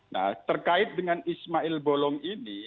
nah terkait dengan ismail bolong ini